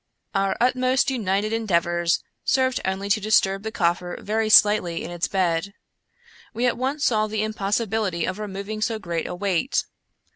Our utmost united en deavors served only to disturb the coffer very slightly in its bed. We at once saw the impossibility of removing so great a weight.